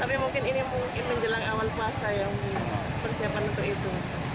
tapi mungkin ini mungkin menjelang awal puasa yang persiapan untuk itu